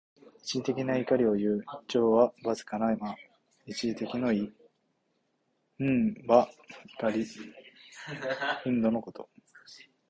一時的な怒りをいう。「一朝」はわずかな間。一時的の意。「忿」は、怒り、憤怒のこと。